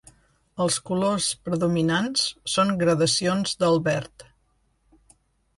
Els colors predominants són gradacions del verd.